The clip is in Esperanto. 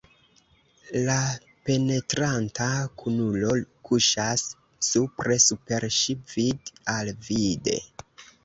La penetranta kunulo kuŝas supre super ŝi, vid-al-vide.